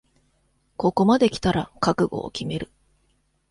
ここまできたら覚悟を決める